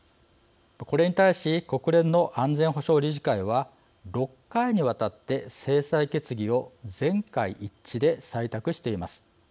これに対し、国連の安全保障理事会は６回にわたって制裁決議を全会一致で採択しています。